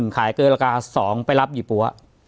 ขายเกินราคา๒ไปรับหยี่ปั๊ว